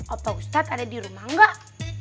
om kamst ada di rumah gak